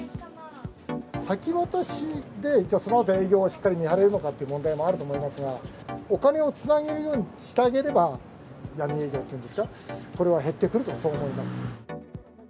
先渡しで、じゃあそのあと営業はしっかり見張れるのかという問題はあると思いますが、お金をつなげるようにしてあげれば、闇営業っていうんですか、これは減ってくると、そう思います。